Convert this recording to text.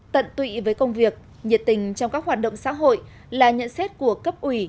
tận tụy với công việc nhiệt tình trong các hoạt động xã hội là nhận xét của cấp ủy